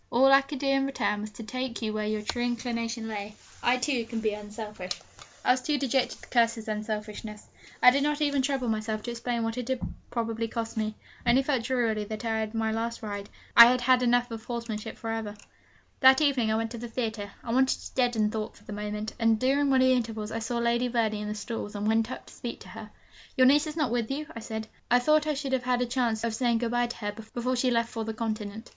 All I could do in return was to take you where your true inclination lay. I, too, can be unselfish.' I was too dejected to curse his unselfishness. I did not even trouble myself to explain what it had probably cost me. I only felt drearily that I had had my last ride, I had had enough of horsemanship for ever! That evening I went to the theatre, I wanted to deaden thought for the moment; and during one of the intervals I saw Lady Verney in the stalls, and went up to speak to her. 'Your niece is not with you?' I said; 'I thought I should have had a chance of of saying good bye to her before she left for the continent.'